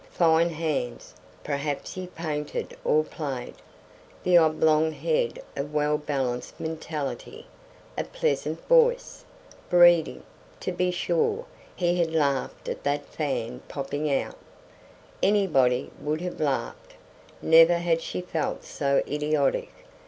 Fine hands; perhaps he painted or played. The oblong head of well balanced mentality. A pleasant voice. Breeding. To be sure, he had laughed at that fan popping out. Anybody would have laughed. Never had she felt so idiotic.